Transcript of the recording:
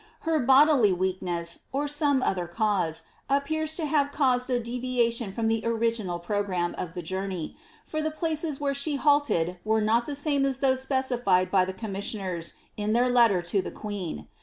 * Her bodily weakness, or some other cause, appears to have caused a deviation from the original programme of the journey, for the places where she halted were not the same as those specified by the commissioners in their letter to the queen.